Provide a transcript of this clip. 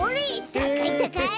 たかいたかい！